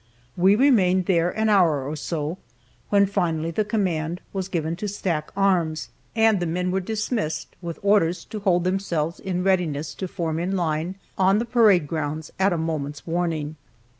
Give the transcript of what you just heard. We remained there an hour or so, when finally the command was given to stack arms, and the men were dismissed with orders to hold themselves in readiness to form in line, on the parade grounds, at a moment's warning.